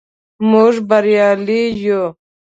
موږ بریالي یو.